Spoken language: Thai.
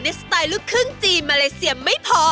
สไตล์ลูกครึ่งจีนมาเลเซียไม่พอ